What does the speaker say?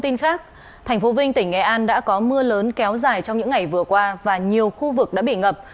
tin khác thành phố vinh tỉnh nghệ an đã có mưa lớn kéo dài trong những ngày vừa qua và nhiều khu vực đã bị ngập